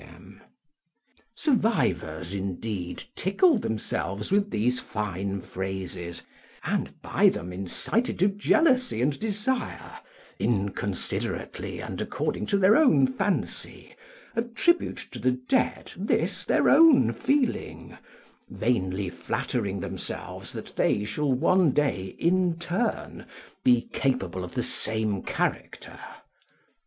] Survivors indeed tickle themselves with these fine phrases, and by them incited to jealousy and desire, inconsiderately and according to their own fancy, attribute to the dead this their own feeling, vainly flattering themselves that they shall one day in turn be capable of the same character.